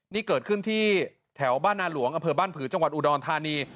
นี่เกิดขึ้นที่แถวบ้านนาหลวงอำเภอบ้านผือจังหวัดอุดรธานี